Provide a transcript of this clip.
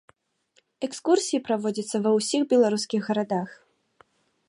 Экскурсіі праводзяцца ва ўсіх беларускіх гарадах.